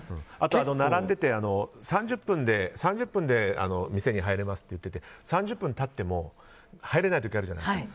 並んでて、３０分で店に入れますって言ってて３０分経っても入れない時あるじゃないですか。